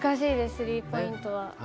スリーポイントは。